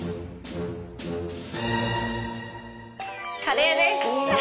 カレーです。